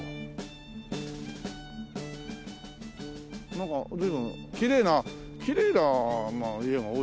なんか随分きれいなきれいな家が多いね。